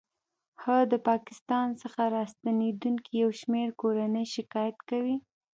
ه پاکستان څخه راستنېدونکې یو شمېر کورنۍ شکایت کوي